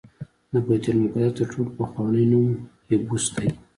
د بیت المقدس تر ټولو پخوانی نوم یبوس دی.